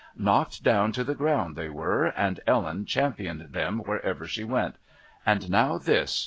Knocked down to the ground they were, and Ellen championed them wherever she went. And now this!